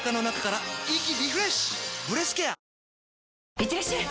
いってらっしゃい！